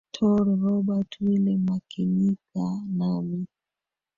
tor robert wile makinika nami